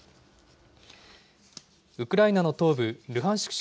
ウクライナの東部ルハンシク